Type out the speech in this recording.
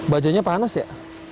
bajunya panas ya